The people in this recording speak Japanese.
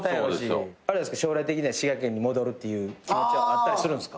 将来的には滋賀県に戻るっていう気持ちはあったりするんすか？